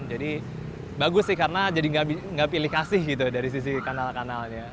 jadi bagus sih karena jadi nggak pilih kasih gitu dari sisi kanal kanalnya